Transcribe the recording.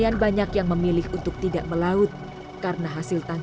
nadeng lebar lebar bawang